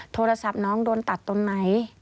โทรศัพท์น้องโดนตัดตรงไหน